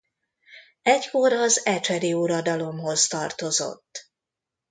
Egykor az Ecsedi uradalomhoz tartozott.